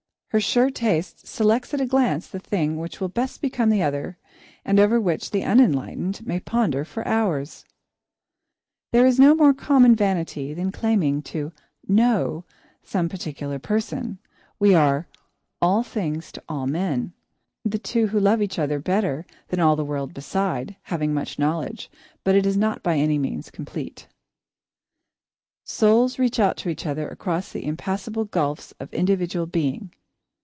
Her sure taste selects at a glance the thing which will best become the other, and over which the Unenlightened may ponder for hours. [Sidenote: A Common Vanity] There is no more common vanity than claiming to "know" some particular person. We are "all things to all men." The two who love each other better than all the world beside, have much knowledge, but it is not by any means complete. "Souls reach out to each other across the impassable gulfs of individual being."